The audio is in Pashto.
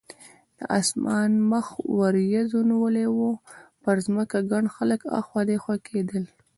د اسمان مخ وریځو نیولی و، پر ځمکه ګڼ خلک اخوا دیخوا کېدل.